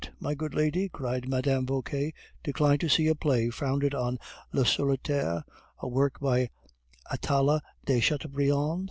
my good lady!" cried Mme. Vauquer, "decline to see a play founded on the Le Solitaire, a work by Atala de Chateaubriand?